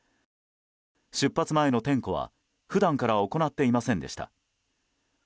出発前の点呼は普段から行っていませんでした。